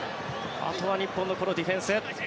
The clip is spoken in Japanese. あとは日本のこのディフェンス。